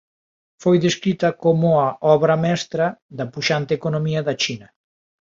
Foi descrita como a "obra mestra" da puxante economía da China.